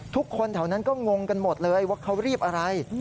ทุกคนแถวนั้นก็งงกันหมดเลยว่าเขารีบอะไร